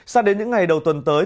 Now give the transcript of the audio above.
sao đến những ngày đầu tuần tới